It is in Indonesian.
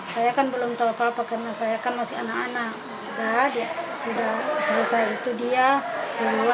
saya kan belum tahu apa apa